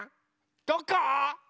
どこ？